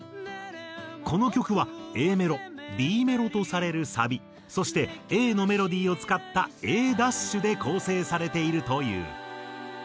この曲はＡメロＢメロとされるサビそしてＡのメロディーを使ったＡ’で構成されているという。